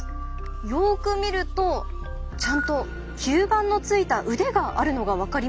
よく見るとちゃんと吸盤の付いた腕があるのが分かりますか？